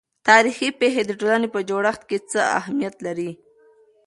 تاريخي پېښې د ټولنې په جوړښت کې څه اهمیت لري؟